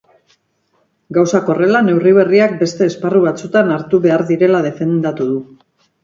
Gauzak horrela, neurri berriak beste esparru batzutan hartu behar direla defendatu du.